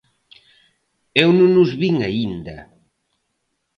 Eu non os vin aínda.